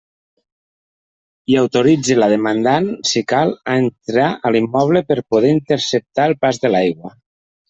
I autoritze la demandant, si cal, a entrar a l'immoble per a poder interceptar el pas de l'aigua.